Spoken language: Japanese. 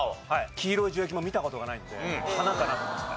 黄色い樹液も見た事がないので花かなと思いました。